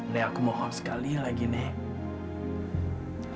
nek aku mohon sekali lagi nek